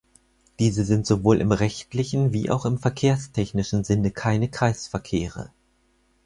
Diese sind sowohl im rechtlichen wie auch im verkehrstechnischen Sinne keine Kreisverkehre.